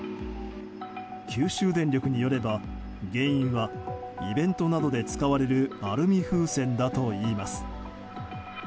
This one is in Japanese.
九州電力によれば原因はイベントなどで使われるアルミ風船だといいます。